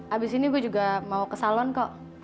abis ini gue juga mau ke salon kok